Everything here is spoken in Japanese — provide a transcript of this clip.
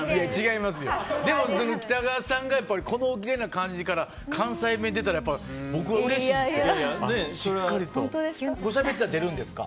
でも、北川さんがこのおきれいな感じから関西弁が出たら僕はうれしいです。